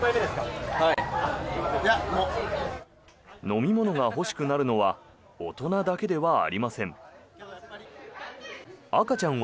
飲み物が欲しくなるのは大人だけではありません。